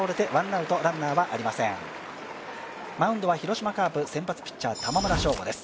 マウンドは広島カープ、先発ピッチャー、玉村昇悟です。